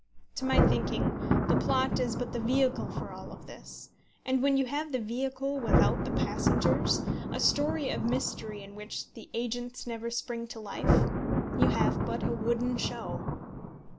To my thinking, the plot is but the vehicle for all this; and when you have the vehicle without the passengers, a story of mystery in which the agents never spring to life, you have but a wooden show.